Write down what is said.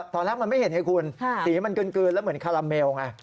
ตอนแรกมันไม่เห็นไงคุณสีมันกลืนแล้วเหมือนคาราเมลไง